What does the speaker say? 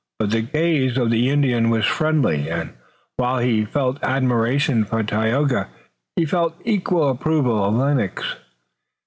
But the gaze of the Indian was friendly, and while he felt admiration for Tayoga he felt equal approval of Lennox.